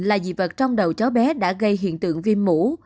là dị vật trong đầu cháu bé đã gây hiện tượng viêm mủ